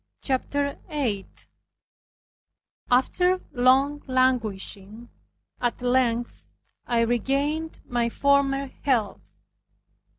CHAPTER 8 After long languishing, at length I regained my former health.